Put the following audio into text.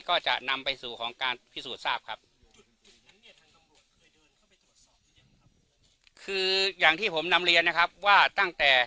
ก็จะนำไปสู่ของการพิสูจน์ทราบครับอย่างที่ผมนำเรียนนะครับว่าตั้งแต่